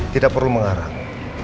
tidak perlu mengarang